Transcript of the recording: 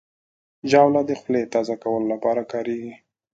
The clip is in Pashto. ژاوله د خولې تازه کولو لپاره کارېږي.